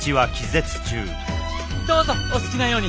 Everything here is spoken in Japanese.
どうぞお好きなように！